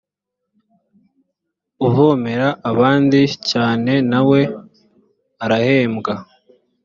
uvomera abandi cyane na we arahembwa